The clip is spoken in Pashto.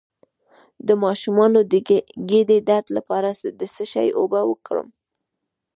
د ماشوم د ګیډې درد لپاره د څه شي اوبه ورکړم؟